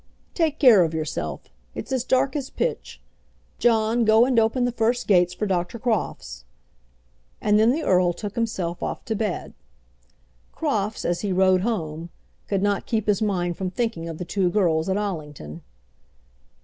Take care of yourself. It's as dark as pitch. John, go and open the first gates for Dr. Crofts." And then the earl took himself off to bed. Crofts, as he rode home, could not keep his mind from thinking of the two girls at Allington.